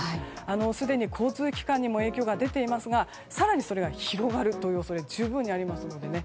すでに交通機関にも影響が出ていますが更にそれが広がる恐れが十分にありますのでね